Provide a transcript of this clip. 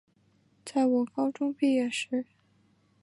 在我高中毕业时